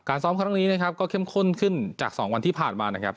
ซ้อมครั้งนี้นะครับก็เข้มข้นขึ้นจาก๒วันที่ผ่านมานะครับ